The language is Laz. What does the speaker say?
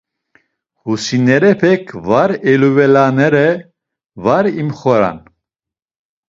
Husinerepek var eluvelanere var imxoran.